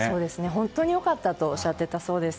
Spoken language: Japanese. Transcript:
本当に良かったとおっしゃっていたそうです。